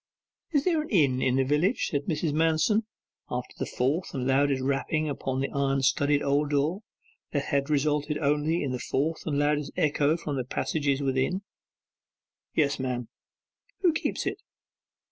'Is there an inn in the village?' said Mrs. Manston, after the fourth and loudest rapping upon the iron studded old door had resulted only in the fourth and loudest echo from the passages inside. 'Yes, ma'am.' 'Who keeps it?